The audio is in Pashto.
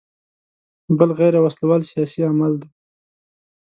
بل غیر وسله وال سیاسي عمل دی.